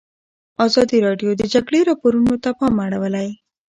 ازادي راډیو د د جګړې راپورونه ته پام اړولی.